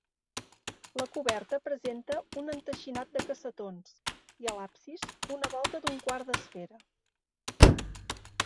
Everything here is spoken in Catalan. La coberta presenta un enteixinat de cassetons, i a l'absis, una volta d'un quart d'esfera.